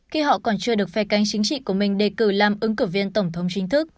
khi họ còn chưa được phe cánh chính trị của mình đề cử làm ứng cử viên tổng thống chính thức